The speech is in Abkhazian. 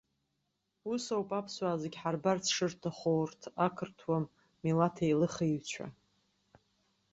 Ус ауп аԥсуаа зегьы ҳарбарц шырҭаху урҭ ақырҭуа милаҭеилыхыҩцәа!